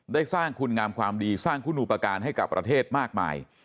ได้สร้างคุณงามความดีสร้างคุณอุปการณ์ให้กับประเทศมากมาย